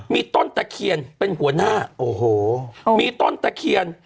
มีต้นตะเคียนเป็นหัวหน้าโอ้โหมีต้นตะเคียน